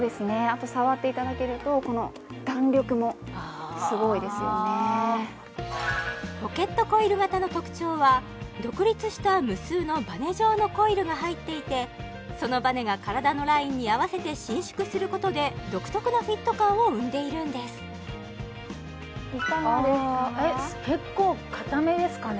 あと触っていただけるとこのポケットコイル型の特徴は独立した無数のバネ状のコイルが入っていてそのバネが体のラインに合わせて伸縮することで独特なフィット感を生んでいるんですいかがですか？